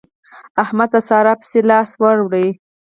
احمد په سارا پسې لاس وړي.